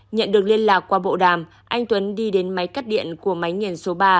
nhận được liên lạc qua bộ đàm anh tuấn đi đến máy cắt điện của máy nghiền số ba